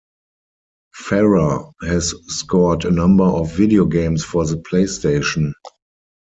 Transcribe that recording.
Farrer has scored a number of videogames for the PlayStation.